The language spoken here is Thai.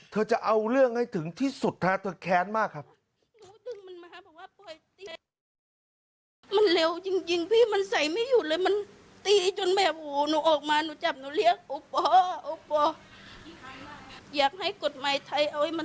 จะเอาเรื่องให้ถึงที่สุดฮะเธอแค้นมากครับ